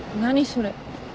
それ。